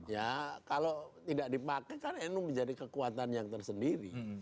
ya kalau tidak dipakai kan nu menjadi kekuatan yang tersendiri